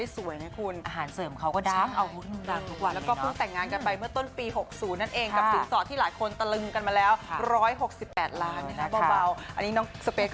ใส่มาบนกองเงินกองทองเป็นสเปส